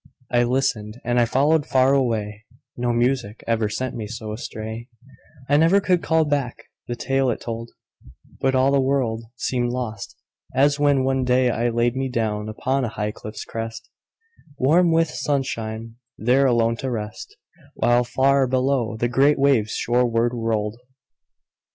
I listened, and I followed far away No music ever sent me so astray, I never could call back the tale it told, But all the world seemed lost, as when, one day, I laid me down upon a high cliff's crest, Warm with the sunshine, there alone to rest, While far below the great waves shoreward rolled.